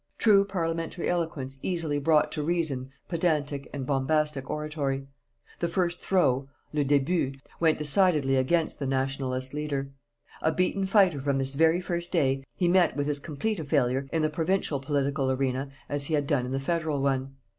True parliamentary eloquence easily brought to reason pedantic and bombastic oratory. The first throw le début went decidedly against the Nationalist leader. A beaten fighter from this very first day, he met with as complete a failure in the provincial political arena as he had done in the federal one.